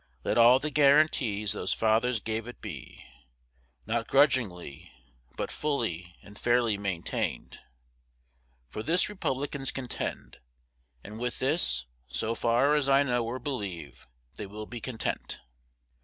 Let all the guaranties those fathers gave it be, not grudgingly, but fully and fairly maintained. For this Republicans contend, and with this, so far as I know or believe, they will be content.